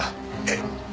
えっ！？